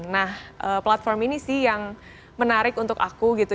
nah platform ini sih yang menarik untuk aku gitu